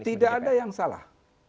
tidak ada yang salah